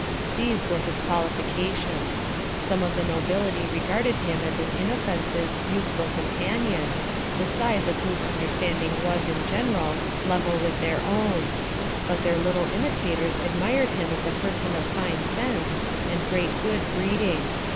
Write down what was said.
These were his qualifications. Some of the nobility regarded him as an inoffensive, useful companion, the size of whose understanding was, in general, level with their own ; but their little imitators admired him as a person of fine sense, and great good breeding.